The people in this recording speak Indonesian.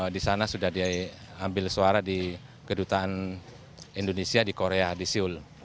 di sana sudah dia ambil suara di gedutan indonesia di korea di seoul